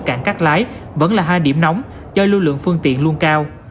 cảng cát lái vẫn là hai điểm nóng do lưu lượng phương tiện luôn cao